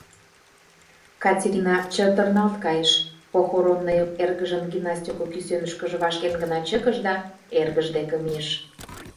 Катерина чытырналт кайыш, похоронныйым эргыжын гимнастерко кӱсенышкыже вашкен гына чыкыш да эргыж деке мийыш.